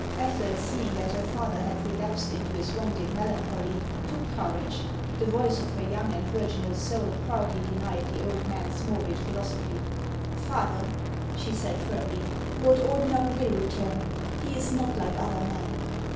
Ethel, seeing that her father had relapsed into his HANS OF ICELAND. 257 wonted melancholy, took courage ; the voice of her young and virginal soul proudly denied the old man's morbid philosophy. " Father," she said firmly, " Lord Ordener will return ; he is not like other men."